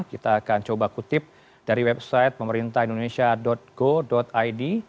kita akan coba kutip dari website pemerintahindonesia go id